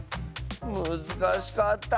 むずかしかった。